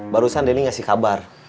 barusan denny ngasih kabar